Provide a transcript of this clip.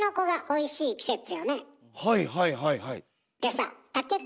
はいはいはいはい。